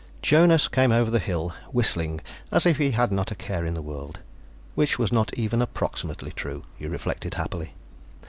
Jonas came over the hill whistling as if he had not a care in the world which was not even approximately true, he reflected happily.